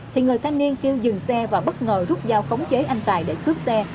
thì người thanh niên kêu dừng xe và bất ngờ rút dao khống chế anh tài để cướp xe